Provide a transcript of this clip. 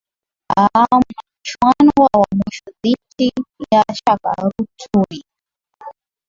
aa mchwano wao wa mwisho dhiti ya shaka ruturi